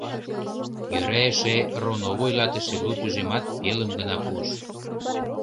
Йӧра эше роно вуйлатыше лу тӱжемат пелым гына пуыш.